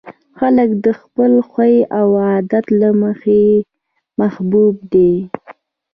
هلک د خپل خوی او عادت له مخې محبوب دی.